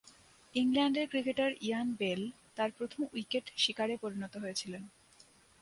ইংল্যান্ডের cricketer Ian Bell তার প্রথম উইকেট শিকারে পরিণত হয়েছিলেন।